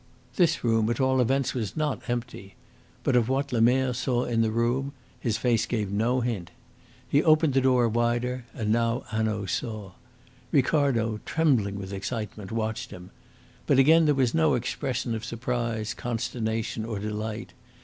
This room, at all events, was not empty. But of what Lemerre saw in the room his face gave no hint. He opened the door wider, and now Hanaud saw. Ricardo, trembling with excitement, watched him. But again there was no expression of surprise, consternation, or delight.